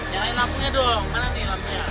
jalain lampunya dong mana nih lampunya